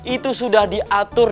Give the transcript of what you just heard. itu sudah diatur